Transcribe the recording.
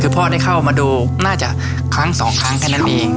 คือพ่อได้เข้ามาดูน่าจะครั้งสองครั้งแค่นั้นเอง